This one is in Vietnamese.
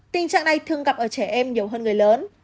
tình trạng này thường gặp ở trẻ em nhiều hơn người lớn